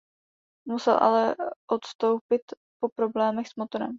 Musel ale odstoupit po problémech s motorem.